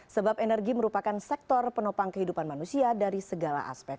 sebab energi merupakan sektor penopang kehidupan manusia dari segala aspek